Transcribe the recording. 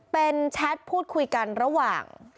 เป็นแชทพูดคุยกันระหว่าง